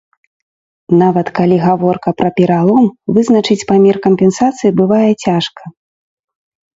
Нават калі гаворка пра пералом, вызначыць памер кампенсацыі бывае цяжка.